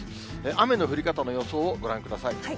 雨の降り方の予想をご覧ください。